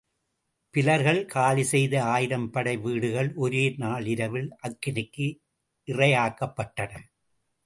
பிலர்கள் காலிசெய்த ஆயிரம் படைவீடுகள் ஒரே நாள் இரவில் அக்கினிக்கு இறையாக்கப்பட்டன.